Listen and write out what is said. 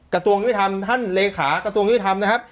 กระทรวงอินทรรมท่านเลขากระทรวงอินทรรมนะครับ